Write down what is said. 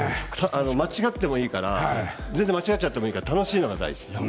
間違ってもいいから全然間違っちゃってもいいから楽しいのが大事。